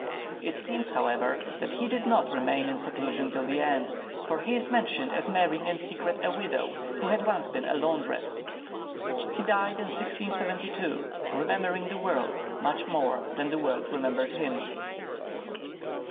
It seems, however, that he did not remain in seclusion till the end, for he is mentioned as marrying in secret a widow who had once been a laundress. He died in 1672, remembering the world much more than the world remembered him.